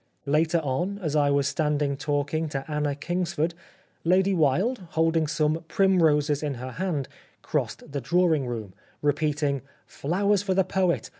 Later on, as I was standing talking to Anna Kingsford, Lady Wilde, holding some primroses in her hand, crossed the drawing room, repeating ;' Flowers for the poet